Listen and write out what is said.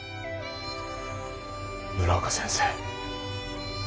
村岡先生。